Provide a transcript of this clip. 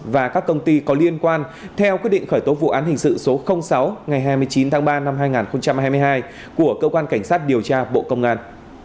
và các công ty có liên quan theo quyết định khởi tố vụ án hình sự số sáu ngày hai mươi chín tháng ba năm hai nghìn hai mươi hai của cơ quan cảnh sát điều tra bộ công an